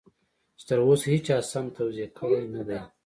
چې تر اوسه هېچا سم توضيح کړی نه دی.